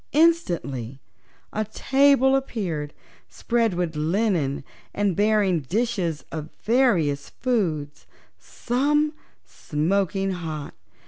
Instantly a table appeared, spread with linen and bearing dishes of various foods, some smoking hot.